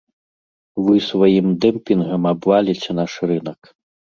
Вы сваім дэмпінгам абваліце наш рынак.